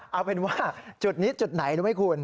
เอาเป็นว่าจุดนี้จุดไหนรู้ไหมคุณ